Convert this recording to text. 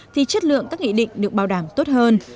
thì chất lượng các nghị định được bảo đảm tốt hơn